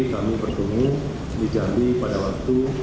kami bertemu di jambi pada waktu